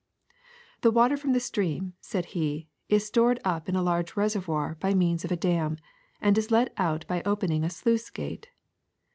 ^^The water from the stream,'' said he, ^4s stored up in a large reservoir by means of a dam, and is let out by opening a sluice gate.